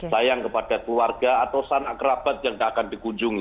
sayang kepada keluarga atau anak rabat yang tidak akan dikunjungi